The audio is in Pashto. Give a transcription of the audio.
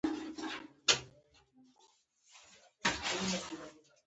هغه د روښانه خوب پر مهال د مینې خبرې وکړې.